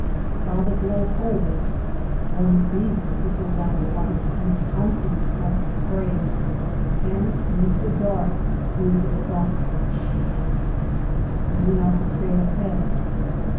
While the glow holds one sees the thistle down flights and pouncings 149 THE MESA TRAIL after jDrey, and on into the dark hears their soi\. pus ssh ! clearing out of the trail ahead.